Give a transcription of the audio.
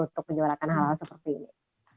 untuk menyuarakan hal hal seperti ini